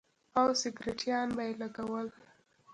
او سگرټيان به يې لگول.